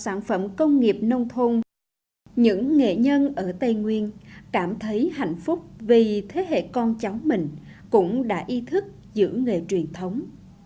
những sản phẩm công nghiệp nông thôn những nghệ nhân ở tây nguyên cảm thấy hạnh phúc vì thế hệ con cháu mình cũng đã ý thức giữ nghề truyền thống